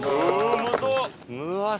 うまそう。